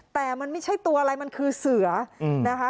แต่มันไม่ใช่ตัวอะไรมันคือเสือนะคะ